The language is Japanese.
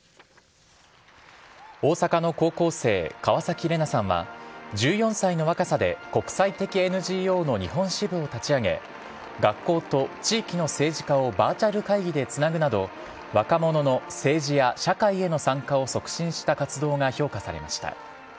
大阪の高校生、川崎レナさんは、１４歳の若さで国際的ＮＧＯの日本支部を立ち上げ、学校と地域の政治家をバーチャル会議でつなぐなど、若者の政治や社会への参加を促進した活動が評価されました。